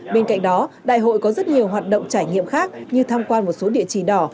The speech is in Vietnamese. bên cạnh đó đại hội có rất nhiều hoạt động trải nghiệm khác như tham quan một số địa chỉ đỏ